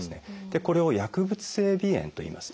これを「薬物性鼻炎」といいます。